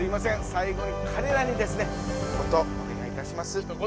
最後にかれらにひと言お願いいたします。